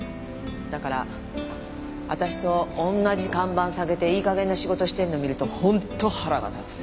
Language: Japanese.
だから私と同じ看板下げていい加減な仕事してるの見ると本当腹が立つ。